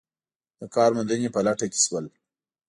د کار موندنې په لټه کې شول.